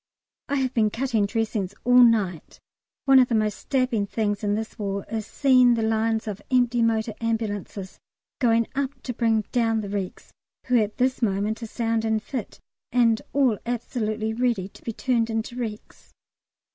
I have been cutting dressings all night. One of the most stabbing things in this war is seeing the lines of empty motor ambulances going up to bring down the wrecks who at this moment are sound and fit, and all absolutely ready to be turned into wrecks.